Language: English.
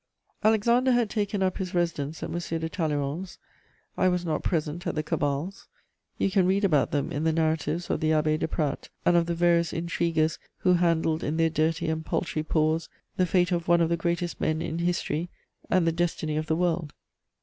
* Alexander had taken up his residence at M. de Talleyrand's. I was not present at the cabals: you can read about them in the narratives of the Abbé de Pradt and of the various intriguers who handled in their dirty and paltry paws the fate of one of the greatest men in history and the destiny of the world.